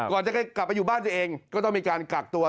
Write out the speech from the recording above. ก่อนจะกลับไปอยู่บ้านตัวเองก็ต้องมีการกักตัว